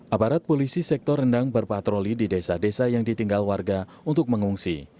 aparat polisi sektor rendang berpatroli di desa desa yang ditinggal warga untuk mengungsi